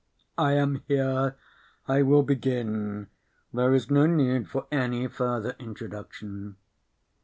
"I am here. I will begin. There is no need for any further introduction."